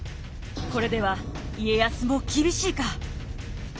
これでは家康も厳しいか？